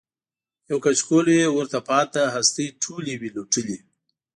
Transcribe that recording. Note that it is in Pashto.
یو کچکول وي ورته پاته هستۍ ټولي وي لوټلي